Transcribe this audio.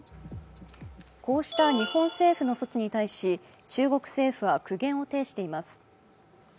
こうした日本政府の措置に対し、中国政府は苦言を呈しています。